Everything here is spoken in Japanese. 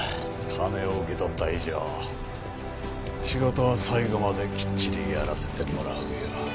金を受け取った以上仕事は最後まできっちりやらせてもらうよ。